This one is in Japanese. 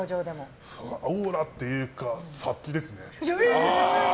オーラっていうか殺気ですね。